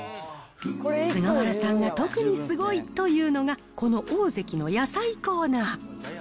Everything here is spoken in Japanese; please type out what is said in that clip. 菅原さんが特にすごいというのが、このオオゼキの野菜コーナー。